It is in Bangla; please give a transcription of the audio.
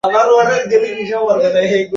লম্বা করে দম নিন।